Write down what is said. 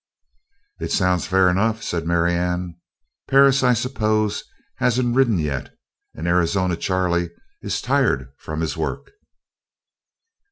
"It sounds fair enough," said Marianne. "Perris, I suppose, hasn't ridden yet. And Arizona Charley is tired from his work."